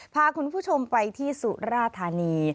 พาคุณผู้ชมไปที่สุราธานี